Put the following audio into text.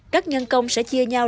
các nhân công sẽ chia nhau